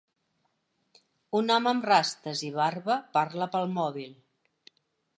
Un home amb rastes i barba parla pel mòbil.